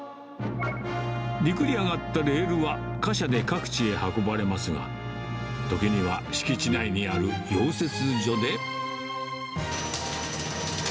陸に上がったレールは、貨車で各地へ運ばれますが、時には敷地内にある溶接所で。